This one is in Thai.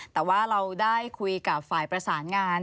แต่ว่าเราได้คุยกับฝ่ายประสานงาน